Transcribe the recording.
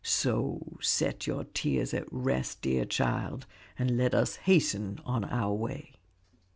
So set your tears at rest, dear child, and let us hasten on our way."